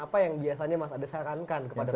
apa yang biasanya mas ada sarankan kepada pemula